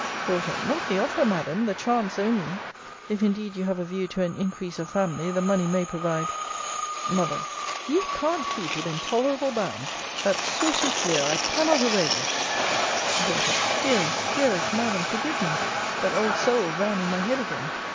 D. Not the offer, Madam: the chance only! if indeed you have a view to an increase of family, the money may provide M. You can't keep within tolerable bounds! That saucy fleer I cannot away with D. Dearest, dearest Madam, forgive me; but old soul ran in my head again!